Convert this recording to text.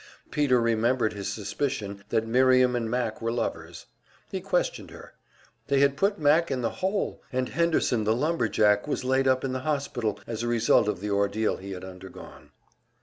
Peter remembered his suspicion that Miriam and Mac were lovers. He questioned her. They had put Mac in the "hole," and Henderson, the lumber jack, was laid up in the hospital as a result of the ordeal he had undergone.